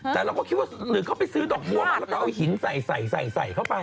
แต่เราก็คิดว่าหรือเขาไปซื้อดอกบัวมาแล้วก็เอาหินใส่ใส่เข้าไป